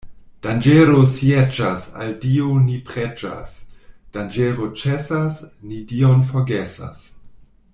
Danĝero sieĝas, al Dio ni preĝas; danĝero ĉesas, ni Dion forgesas.